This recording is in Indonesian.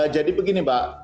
jadi begini mbak